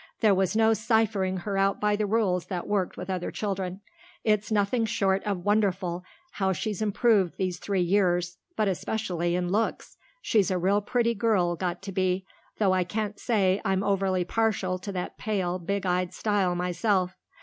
There was no ciphering her out by the rules that worked with other children. It's nothing short of wonderful how she's improved these three years, but especially in looks. She's a real pretty girl got to be, though I can't say I'm overly partial to that pale, big eyed style myself.